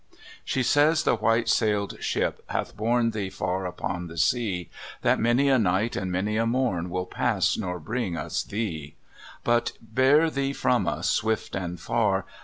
She says the white sailed ship hath borne Thee far upon the sea, That many a night and many a morn Will pass nor bring us thee; But bear thee from us swift and far.